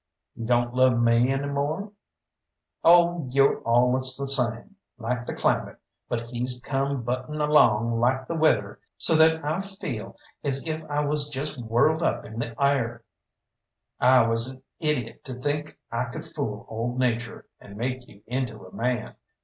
"You don't love me any more?" "Oh, you're allus the same, like the climate but he's come buttin' along like the weather, so that I feel as if I was just whirled up in the air." "I was an idiot to think I could fool old Nature, and make you into a man.